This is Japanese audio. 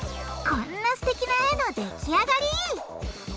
こんなすてきな絵のできあがり！